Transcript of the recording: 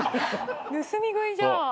盗み食いじゃん。